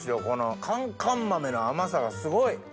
この寒甘豆の甘さがすごい！